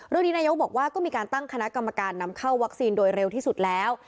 เรื่องนี้นายกบอกว่าก็มีการตั้งคณะกรรมการนำเข้าวัคซีนโดยเร็วที่สุดแล้ว